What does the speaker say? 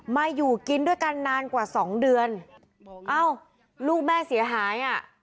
มาอยู่กินด้วยกันนานกว่าสองเดือนเอ้าลูกแม่เสียหายอ่ะ